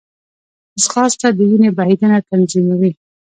ځغاسته د وینې بهېدنه تنظیموي